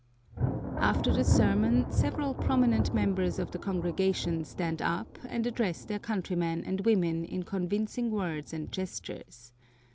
After the sermon, several prominent members of the congregation stand up and address their countrymen and women in convincing words and gestures.